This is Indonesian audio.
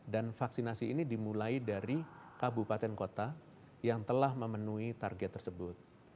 dan vaksinasi ini dimulai dari kabupaten kota yang telah memenuhi target tersebut